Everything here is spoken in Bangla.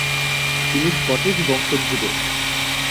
তিনি স্কটিশ বংশোদ্ভূত।